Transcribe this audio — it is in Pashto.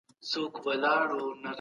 تاسي چا خبر کړاست؟